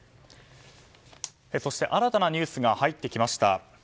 そして新たなニュースが入ってきました。